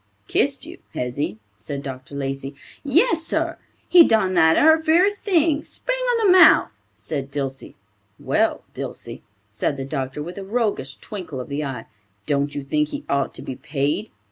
"Kissed you, has he?" said Dr. Lacey. "Yes, sar, he done that ar very thing, spang on the mouth," said Dilsey. "Well, Dilsey," said the doctor with a roguish twinkle of the eye, "don't you think he ought to be paid?"